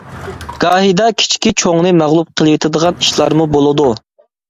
گاھىدا كىچىكى چوڭىنى مەغلۇپ قىلىۋېتىدىغان ئىشلارمۇ بولىدۇ.